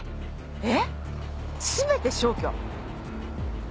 えっすべて消去！？